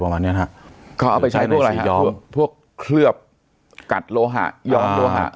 ประมาณเนี้ยนะฮะเขาเอาไปใช้พวกอะไรยอมพวกพวกเคลือบกัดโลหะยอมโลหะ